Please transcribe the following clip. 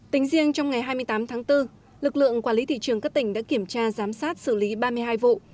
tính riêng trong ngày hai mươi tám tháng bốn lực lượng quản lý thị trường các tỉnh đã kiểm tra giám sát xử lý ba mươi hai vụ